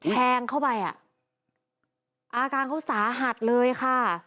แทงเข้าไปอ่ะอาการเขาสาหัสเลยค่ะ